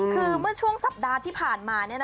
คือเมื่อช่วงสัปดาห์ที่ผ่านมา